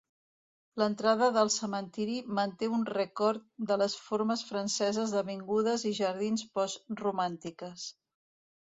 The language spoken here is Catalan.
L'entrada del cementiri manté un record de les formes franceses d'avingudes i jardins post romàntiques.